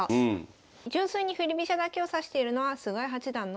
純粋に振り飛車だけを指しているのは菅井八段のみ。